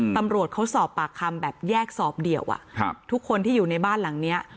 ตำรวจเขาสอบปากคำแบบแยกสอบเดี่ยวอ่ะครับทุกคนที่อยู่ในบ้านหลังเนี้ย